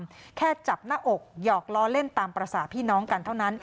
แค่จับหน้าอกหยอกล้อเล่นตามภาษาพี่น้องกันเท่านั้น